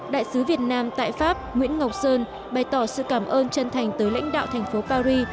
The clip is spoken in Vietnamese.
đại sứ việt nam tại pháp nguyễn ngọc sơn bày tỏ sự cảm ơn chân thành tới lãnh đạo thành phố paris